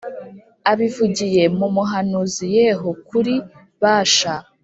abivugiye mu muhanuzi Yehu kuri Bāsha